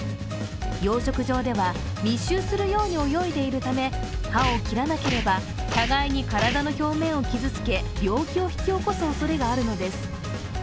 養殖場では密集するように泳いでいるため、歯を切らなければ互いの体の表面を傷つけ病気を引き起こすおそれがあるのです。